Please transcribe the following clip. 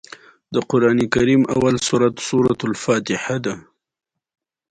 هغه سرو زرو ته لاسرسی پیدا کوي.